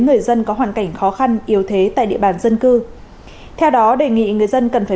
người dân có hoàn cảnh khó khăn yếu thế tại địa bàn dân cư theo đó đề nghị người dân cần phải